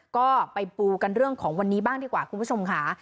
ก็ไปปูกันเรื่องของวันนี้บ้างดีกว่าคุณผู้ชมค่ะ